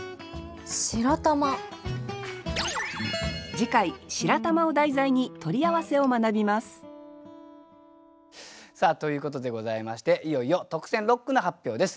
次回「白玉」を題材に「取り合わせ」を学びますさあということでございましていよいよ特選六句の発表です。